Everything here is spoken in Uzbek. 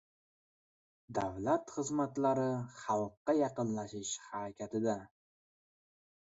Davlat xizmatlari xalqqa yaqinlashish harakatida